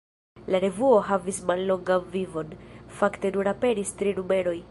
La revuo havis mallongan vivon: fakte nur aperis tri numeroj.